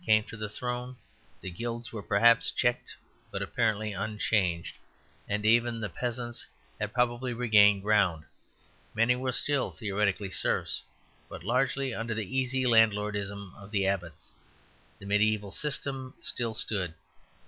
came to the throne the guilds were perhaps checked but apparently unchanged, and even the peasants had probably regained ground; many were still theoretically serfs, but largely under the easy landlordism of the abbots; the mediæval system still stood.